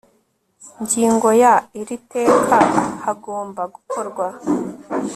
ngingo ya iri teka hagomba gukorwa